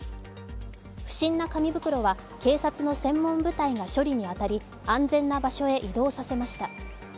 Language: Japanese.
不審な紙袋は警察の専門部隊が処理に当たり、安全な場所へ移動させました。